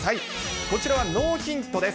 こちらはノーヒントです。